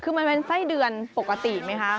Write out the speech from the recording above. คือมันเป็นไส้เดือนปกติไหมคะ